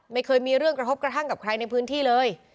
ไม่เคยมีเรื่องกระทบกระทั่งกับใครในพื้นที่เลย